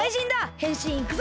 へんしんいくぞ！